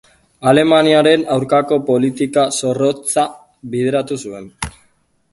Alemaniaren aurkako politika zorrotza bideratu zuen.